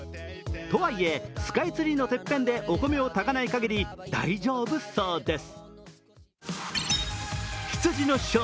とはいえ、スカイツリーのてっぺんでお米を炊かないかぎり大丈夫そうです。